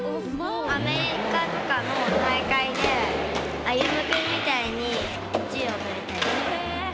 アメリカとかの大会で歩夢くんみたいにメダルを取りたい。